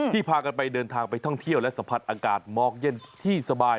พากันไปเดินทางไปท่องเที่ยวและสัมผัสอากาศหมอกเย็นที่สบาย